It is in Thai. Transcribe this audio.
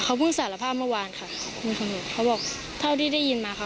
เขาเพิ่งสารภาพเมื่อวานค่ะคุณตำรวจเขาบอกเท่าที่ได้ยินมาค่ะ